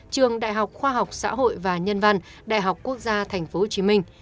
trường đại học khoa học xã hội và nhân văn đại học quốc gia tp hcm